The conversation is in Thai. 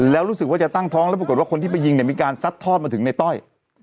แล้วรู้สึกว่าจะตั้งท้องแล้วปรากฏว่าคนที่ไปยิงเนี่ยมีการซัดทอดมาถึงในต้อย